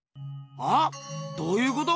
は？どういうこと？